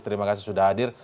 terima kasih sudah hadir